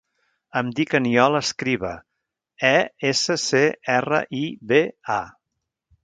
Em dic Aniol Escriba: e, essa, ce, erra, i, be, a.